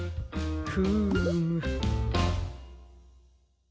フーム。